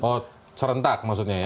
oh serentak maksudnya ya